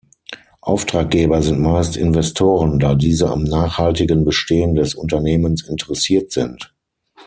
Auftraggeber sind meist Investoren, da diese am nachhaltigen Bestehen des Unternehmens interessiert sind.